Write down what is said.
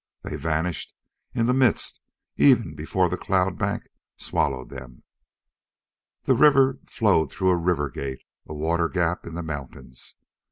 They vanished in the mist even before the cloud bank swallowed them. The river flowed through a river gate, a water gap in the mountains.